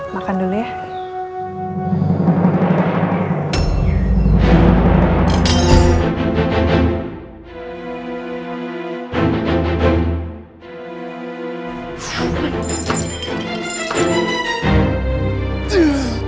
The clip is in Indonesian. makan dulu ya